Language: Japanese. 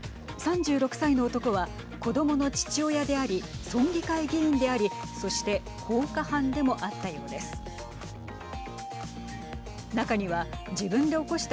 ３６歳の男は子どもの父親であり村議会議員でありそして放火犯でもあったようです。